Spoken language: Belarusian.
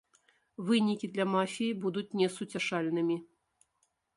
Вынікі для мафіі будуць несуцяшальнымі.